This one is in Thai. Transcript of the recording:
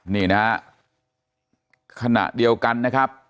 นี่นะฮะขณะเดียวกันนะครับ